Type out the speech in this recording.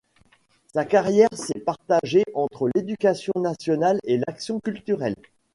Sa carrière s’est partagée entre l’Éducation nationale et l’action culturelle.